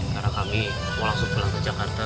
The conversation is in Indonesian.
karena kami mau langsung pulang ke jakarta